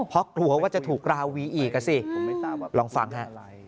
เพราะกลัวว่าจะถูกราวีอีกอ่ะสิลองฟังฮะ